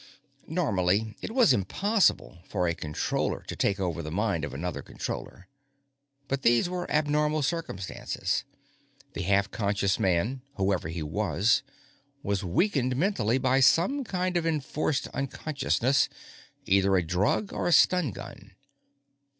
_ Normally it was impossible for a Controller to take over the mind of another Controller, but these were abnormal circumstances; the half conscious man, whoever he was, was weakened mentally by some kind of enforced unconsciousness either a drug or a stun gun.